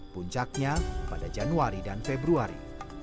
puncaknya pada januari dan februari